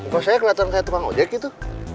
kok saya kelihatan kayak tukang ojek gitu